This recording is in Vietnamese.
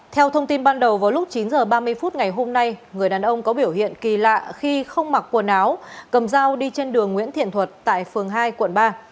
theo thông tin ban đầu vào lúc chín h ba mươi phút ngày hôm nay người đàn ông có biểu hiện kỳ lạ khi không mặc quần áo cầm dao đi trên đường nguyễn thiện thuật tại phường hai quận ba